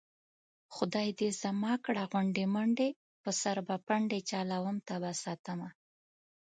خدای دې زما کړه غونډې منډې په سر به پنډې چلوم تابه ساتمه